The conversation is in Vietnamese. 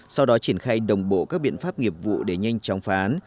sau đó triển khai đồng bộ các biện pháp nghiệp vụ để nhanh chóng phá án